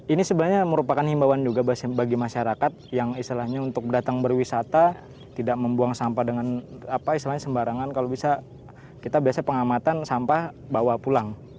ini sebenarnya merupakan himbawan juga bagi masyarakat yang istilahnya untuk datang berwisata tidak membuang sampah dengan apa istilahnya sembarangan kalau bisa kita biasanya pengamatan sampah bawa pulang